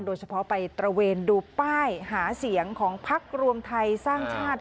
โดยเฉพาะไปตระเวนดูป้ายหาเสียงของพักรวมไทยสร้างชาติ